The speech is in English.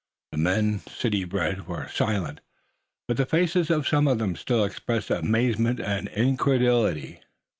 The men, city bred, were silent, but the faces of some of them still expressed amazement and incredulity.